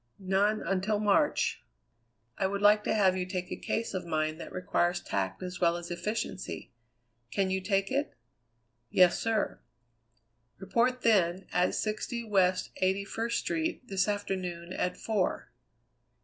"None until March." "I would like to have you take a case of mine that requires tact as well as efficiency. Can you take it?" "Yes, sir." "Report then at 60 West Eighty first Street this afternoon, at four."